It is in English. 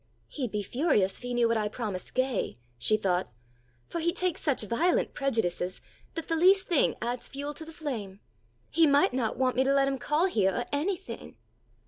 "He'd be furious if he knew what I promised Gay," she thought, "for he takes such violent prejudices that the least thing 'adds fuel to the flame.' He might not want me to let him call heah or anything."